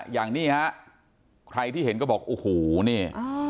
อย่างนี้ฮะใครที่เห็นก็บอกโอ้โหนี่